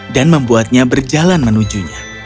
dan membuatnya berjalan menujunya